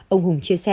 ông hùng chia sẻ